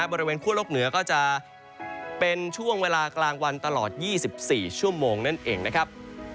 บริเวณคั่วโลกเหนือก็จะเป็นช่วงเวลากลางวันตลอด๒๔ชั่วโมงนั่นเองนะครับ